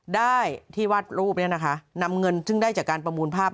ได้ที่วัดรูปเนี่ยนะคะนำเงินซึ่งได้จากการประมูลภาพ